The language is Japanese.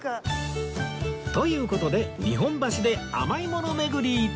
という事で日本橋で甘いもの巡り